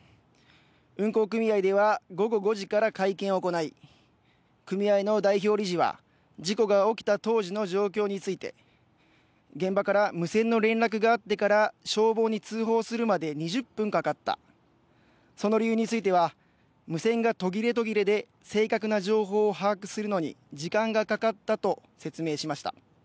運航組合では午後５時から会見を行い組合の代表理事は、事故が起きた当時の状況について現場から無線の連絡があってから消防に通報するまで２０分かかったその理由については無線がとぎれとぎれで正確な情報を把握するのに時間がかかったと説明しました。